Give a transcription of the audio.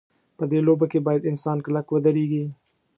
په دې لوبه کې باید انسان کلک ودرېږي.